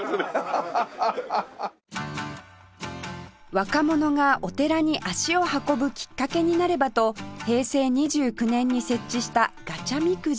若者がお寺に足を運ぶきっかけになればと平成２９年に設置したガチャみくじ